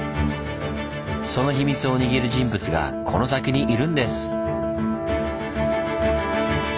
その秘密を握る人物がこの先にいるんです！